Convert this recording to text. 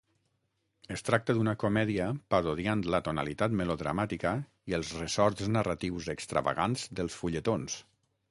Es tracta d'una comèdia parodiant la tonalitat melodramàtica i els ressorts narratius extravagants dels fulletons.